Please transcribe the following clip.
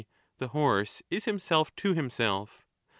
the horse is himself to himself